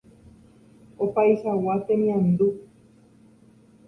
opáichagua temiandu